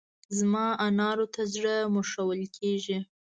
زما انارو ته زړه مښل کېږي.